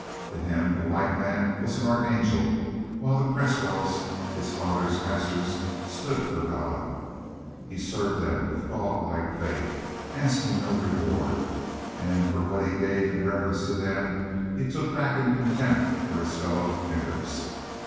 To him a white man was an archangel, while the Cresswells, his father's masters, stood for God. He served them with dog like faith, asking no reward, and for what he gave in reverence to them, he took back in contempt for his fellows "niggers!"